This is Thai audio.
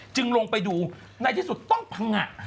ลงไปดูในที่สุดต้องพังงะ